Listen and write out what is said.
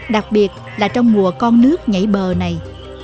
đặc biệt là trong mùa con nước nhảy bờ này